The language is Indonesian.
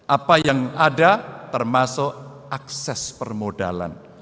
apa yang ada termasuk akses permodalan